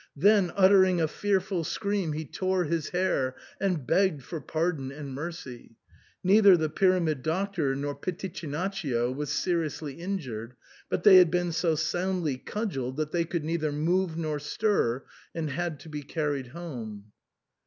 Then, uttering a fearful scream, he tore his hair and begged for pardon and mercy. Neither the Pyramid Doctor nor Pitichinaccio was seriously injured, but they had been so soundly cudgelled that they could neither move nor stir, and had to be carried home.